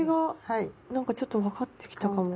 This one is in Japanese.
なんかちょっと分かってきたかも。